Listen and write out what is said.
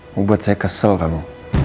mau buat saya kesel kamu